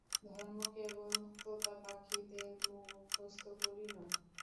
ধর্ম কেবল তোতাপাখীর মুখস্থ বুলি নয়।